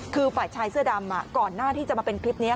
คือฝ่ายชายเสื้อดำก่อนหน้าที่จะมาเป็นคลิปนี้